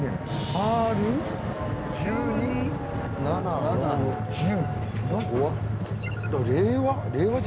「Ｒ１２−７−１０」